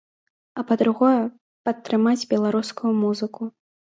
А па-другое, падтрымаць беларускую музыку.